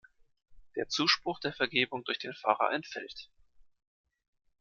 Der Zuspruch der Vergebung durch den Pfarrer entfällt.